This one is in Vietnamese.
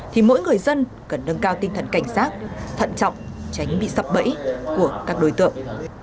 thì mỗi người dân cần nâng cao tinh thần cảnh giác thận trọng tránh bị sập bẫy của các đối tượng